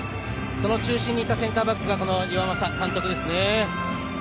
その中心にいたセンターバックが岩政監督ですね。